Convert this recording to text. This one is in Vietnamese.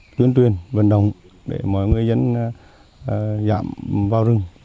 tuyên truyền vận động để mọi người dẫn dạm vào rừng